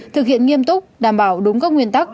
thực hiện nghiêm túc đảm bảo đúng các nguyên tắc